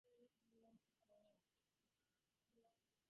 A similar process occurs with other types of viruses.